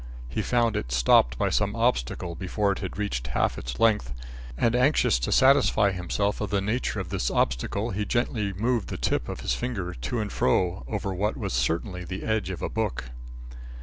He found it stopped by some obstacle before it had reached half its length, and anxious to satisfy himself of the nature of this obstacle, he gently moved the tip of his finger to and fro over what was certainly the edge of a book.